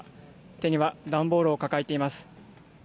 手には段ボールを抱えています。